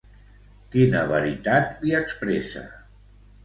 Quina veritat li expressa?